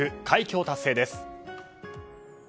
快挙を達成です。